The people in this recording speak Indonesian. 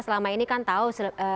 selama ini kan tahu